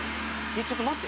ちょっと待って。